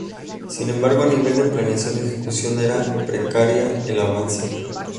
Sin embargo, a nivel de planeación y ejecución, era precario el avance.